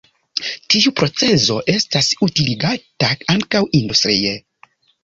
Tiu procezo estas utiligata ankaŭ industrie.